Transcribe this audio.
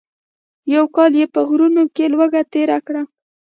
یو کال یې په غرونو کې لوږه تېره کړه.